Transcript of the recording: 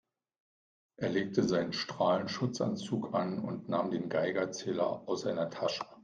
Er legte seinen Strahlenschutzanzug an und nahm den Geigerzähler aus seiner Tasche.